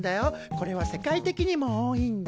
これは世界的にも多いんだ。